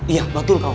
iya betul kawan